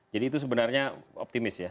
jadi itu sebenarnya optimis ya